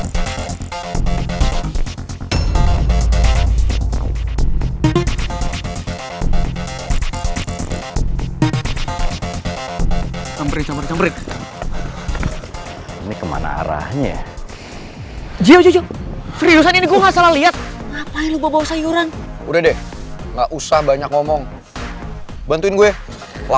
sampai jumpa di video selanjutnya